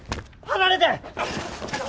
離れて！